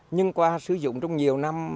nhưng qua sử dụng trong nhiều năm